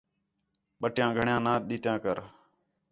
بٹیاں گھݨیاں نہ ݙِتّیاں کر